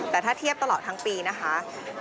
แต่ถ้าเทียบตลอดทั้งปีนะคะ